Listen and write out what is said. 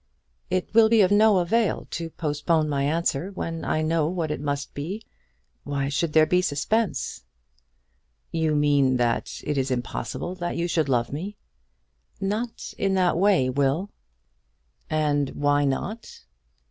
"It will be of no avail to postpone my answer when I know what it must be. Why should there be suspense?" "You mean that it is impossible that you should love me?" "Not in that way, Will." "And why not?"